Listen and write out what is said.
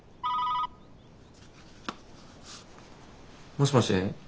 もしもし？